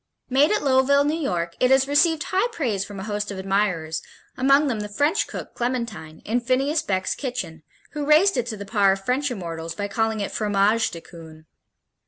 Made at Lowville, New York, it has received high praise from a host of admirers, among them the French cook, Clementine, in Phineas Beck's Kitchen, who raised it to the par of French immortals by calling it Fromage de Coon.